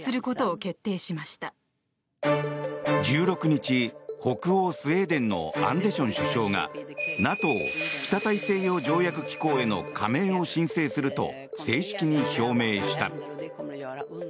１６日、北欧スウェーデンのアンデション首相がＮＡＴＯ・北大西洋条約機構への加盟を申請すると正式に表明した。